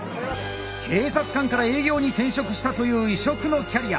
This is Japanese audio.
警察官から営業に転職したという異色のキャリア。